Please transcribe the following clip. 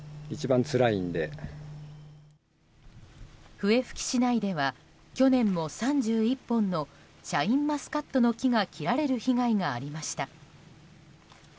笛吹市内では、去年も３１本のシャインマスカットの木が切られる被害がありました。